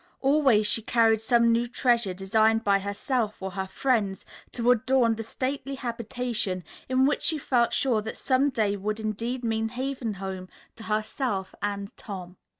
Always she carried some new treasure designed by herself or her friends to adorn the stately habitation in which she felt sure that some day would indeed mean Haven Home to herself and Tom.